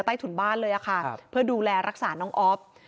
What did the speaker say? ใต้ถุนบ้านเลยเพื่อดูแลรักษาน้องอ๊อพ